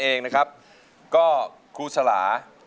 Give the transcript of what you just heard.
ร้องได้ให้ร้าน